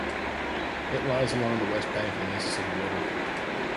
It lies along the west bank of the Mississippi River.